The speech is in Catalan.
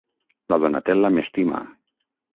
La Donatella m'estima.